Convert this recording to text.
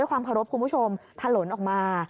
ความเคารพคุณผู้ชมถลนออกมา